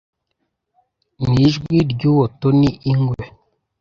nijwi ryuwo Tony Ingwe